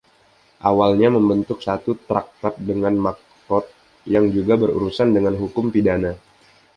Awalnya membentuk satu traktat dengan Makkot, yang juga berurusan dengan hukum pidana.